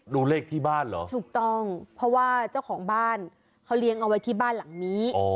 ดูเลขที่บ้านเหรอถูกต้องเพราะว่าเจ้าของบ้านเขาเลี้ยงเอาไว้ที่บ้านหลังนี้